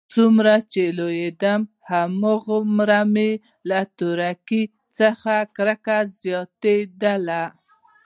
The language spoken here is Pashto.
څومره چې لوېيدم هماغومره مې له تورکي څخه کرکه زياتېدله.